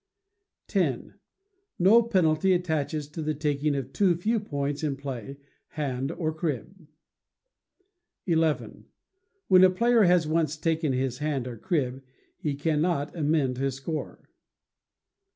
] x. No penalty attaches to the taking of too few points in play, hand, or crib. xi. When a player has once taken his hand or crib, he cannot amend his score.